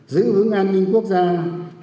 giữ ứng an ninh quốc gia giữ nước từ khi nước chưa nguy